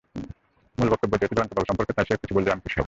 মূল বক্তব্য যেহেতু জয়ন্তবাবু সম্পর্কে, তাই সে কিছু বললেই আমি খুশি হব।